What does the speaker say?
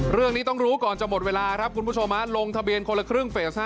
เรื่องนี้ต้องรู้ก่อนจะหมดเวลาครับคุณผู้ชมลงทะเบียนคนละครึ่งเฟส๕